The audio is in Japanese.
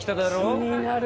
気になる。